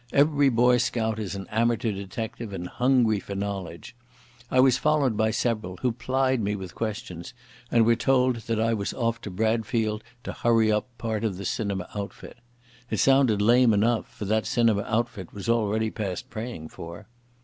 Every boy scout is an amateur detective and hungry for knowledge. I was followed by several, who plied me with questions, and were told that I was off to Bradfield to hurry up part of the cinema outfit. It sounded lame enough, for that cinema outfit was already past praying for.